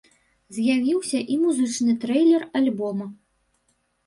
З'явіўся і музычны трэйлер альбома.